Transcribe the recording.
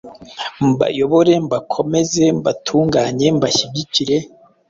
mbayobore, mbakomeze, mbatunganye, mbashyigikire,